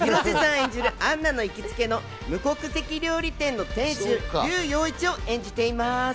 演じるアンナの行きつけの無国籍料理店の店主、リュウ楊一を演じています。